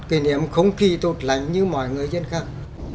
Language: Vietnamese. kỷ niệm không kỳ tốt lành như mọi người dân khác